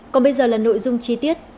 còn bây giờ là nội dung chi tiết